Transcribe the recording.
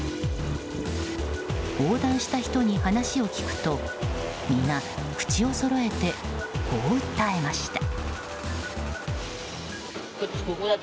横断した人に話を聞くと皆、口をそろえてこう訴えました。